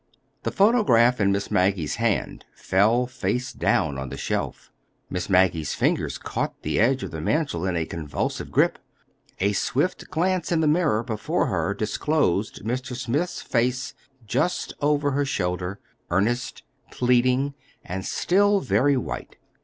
The photograph in Miss Maggie's hand fell face down on the shelf. Miss Maggie's fingers caught the edge of the mantel in a convulsive grip. A swift glance in the mirror before her disclosed Mr. Smith's face just over her shoulder, earnest, pleading, and still very white.